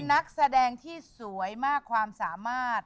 นักแสดงที่สวยมากความสามารถ